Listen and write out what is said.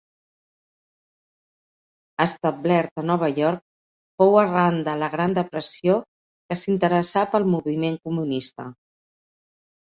Establert a Nova York, fou arran de la Gran Depressió que s’interessà pel moviment comunista.